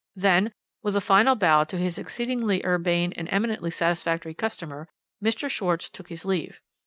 Then, with a final bow to his exceedingly urbane and eminently satisfactory customer, Mr. Schwarz took his leave.